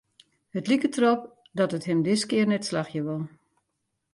It liket derop dat it him diskear net slagje wol.